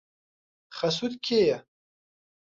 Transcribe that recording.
خەسووت کێیە؟